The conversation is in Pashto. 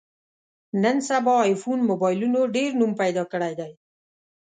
نن سبا ایفون مبایلونو ډېر نوم پیدا کړی دی.